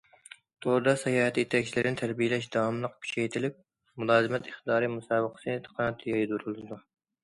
توردا ساياھەت يېتەكچىلىرىنى تەربىيەلەش داۋاملىق كۈچەيتىلىپ، مۇلازىمەت ئىقتىدارى مۇسابىقىسى قانات يايدۇرۇلىدۇ.